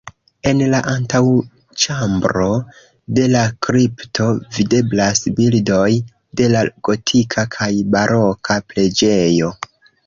En la antaŭĉambro de la kripto videblas bildoj de la gotika kaj baroka preĝejo.